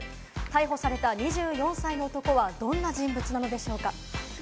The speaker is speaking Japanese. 逮捕された２４歳の男はどんな人物なのでしょうか。